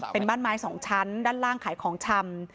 เป็นบ้านไม้สองชั้นด้านล่างขายของชำ